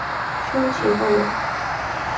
শুনছি, বল।